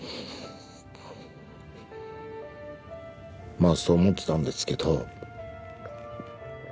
まあそう思ってたんですけど。